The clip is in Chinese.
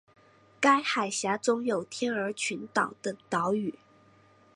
该海峡中有天鹅群岛等岛屿。